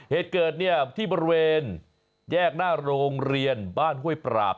เหตุเกิดเนี่ยที่บริเวณแยกหน้าโรงเรียนบ้านห้วยปราบ